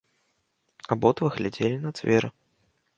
Абодва глядзелі на дзверы.